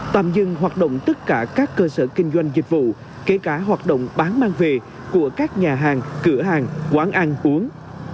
tạm dừng hoạt động tất cả các cơ sở kinh doanh dịch vụ kể cả hoạt động bán mang về của các nhà hàng cửa hàng quán ăn uống